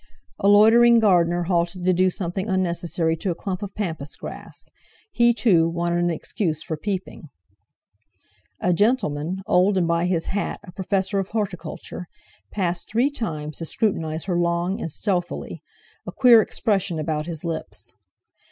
A loitering gardener halted to do something unnecessary to a clump of pampas grass; he, too, wanted an excuse for peeping. A gentleman, old, and, by his hat, a professor of horticulture, passed three times to scrutinize her long and stealthily, a queer expression about his lips.